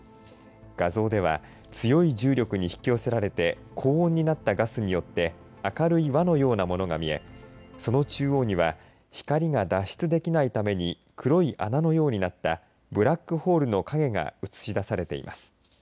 画像では強い重力に引き寄せられて高温になったガスによって明るい輪のようなものが見えその中央には光が脱出できないために黒い穴のようになったブラックホールの影が写しだされています。